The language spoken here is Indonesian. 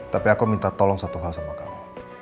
tapi aku minta tolong satu hal sama kamu